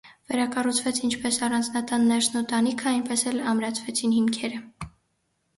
Վերակառուցվեց ինչպես առանձնատան ներսն ու տանիքը, այնպես էլ ամրացվեցին հիմքերը։